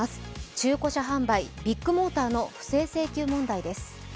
中古車販売・ビッグモーターの不正請求問題です。